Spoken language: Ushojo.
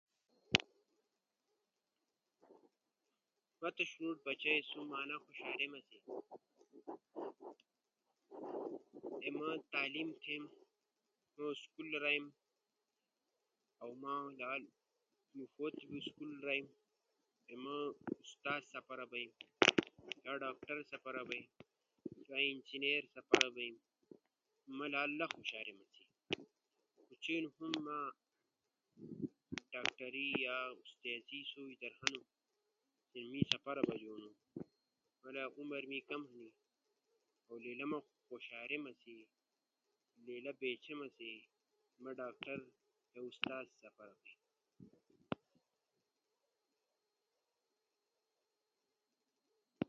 ما تی شنوٹو بچو تی انا خوشاریما سی اے ما تی تعلیم تھیم۔ شینو اسکول رئیم۔ اؤ ما موݜو تی لالو اسکول رئیم اعلی تعلیم ھاصل تھیم۔ اؤ ما تی مستقبل در بڑے استاز، پرنسپل، ڈاکٹر، انجنیئر یا ہور جا لالو غٹ افسر سپارا بئین۔ ما لا ایلا کوشاریما۔ خو چین در ما داکٹری، استازی یا انجنیئری سوچ در ہنو، کے می ادیئی سپارا بجونو۔ کو لا عمر می کم ہنی، اؤ لیلا ما خوشاریما چی اؤ لیلا بیچھیما چی ما ڈاکٹر یا استاز سپارا بئینو۔ انیس کارا آسو شنوٹو والے کئی لالو محنت شروع تھونا کے کدا آسئی بڑے بیلو نو اسئی ایک مشہور شخصیت سپارا بجین۔ تعلیم لالو ضروری ہنو، تعلیم غٹ دولت ہنی۔ تعلیم ست آسو موݜو تی ترقی تھو بئینا۔ بے تعلیم جاہل ہنی۔ معاشرہ در انپرو جے عزت اؤ مقام نیِش۔